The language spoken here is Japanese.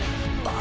あ。